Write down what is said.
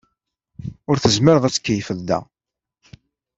Ur tezmireḍ ad tkeyyfeḍ da.